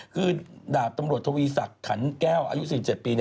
คือดาบตำรวจทวีศักดิ์ขันแก้วอายุ๔๗ปี